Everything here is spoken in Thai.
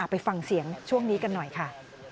ไปฟังเสียงช่วงนี้กันหน่อยค่ะ